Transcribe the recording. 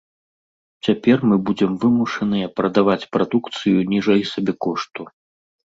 Цяпер мы будзем вымушаныя прадаваць прадукцыю ніжэй сабекошту.